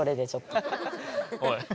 おい。